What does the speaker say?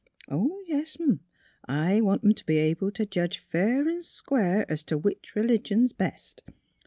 Yes'm; I want 'em t' be able t' jedge fair an' square 's t' which r'ligion 's best.